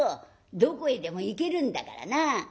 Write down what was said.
どこへでも行けるんだからなあ」。